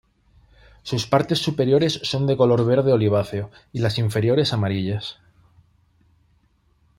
Sus partes superiores son de color verde oliváceo, y las inferiores amarillas.